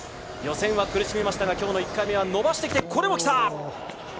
予選は苦しみましたが、今日の１回目は伸ばしてきて、これも来た。